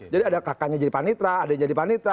jadi ada kakaknya jadi panitera adiknya jadi panitera